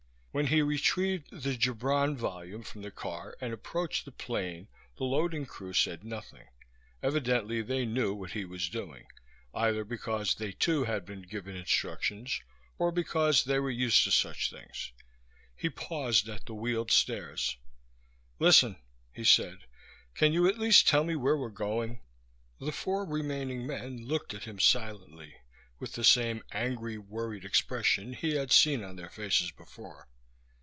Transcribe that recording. When he retrieved the Gibran volume from the car and approached the plane the loading crew said nothing. Evidently they knew what he was doing either because they too had been given instructions, or because they were used to such things. He paused at the wheeled stairs. "Listen," he said, "can you at least tell me where I'm going?" The four remaining men looked at him silently, with the same angry, worried expression he had seen on their faces before.